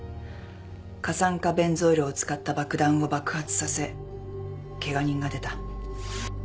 過酸化ベンゾイルを使った爆弾を爆発させケガ人が出た。